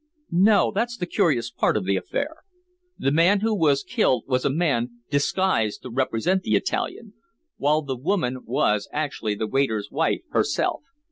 "No. That's the curious part of the affair. The man who was killed was a man disguised to represent the Italian, while the woman was actually the waiter's wife herself.